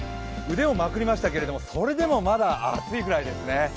腕をまくりましたけれどもそれでもまだ暑いぐらいですね。